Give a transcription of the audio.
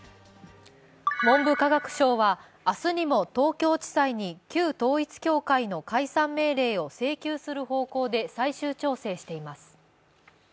文部科学省は明日にも東京地裁に旧統一教会の解散命令を請求する方向で最終調整しています。